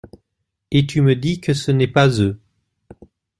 Et tu me dis que ce n’est pas eux?